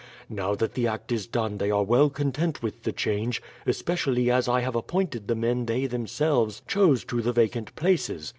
Now that the act is done they are well content with the change, especially as I have appointed the men they themselves chose to the vacant places.